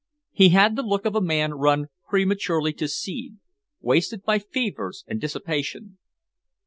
He had the look of a man run prematurely to seed, wasted by fevers and dissipation.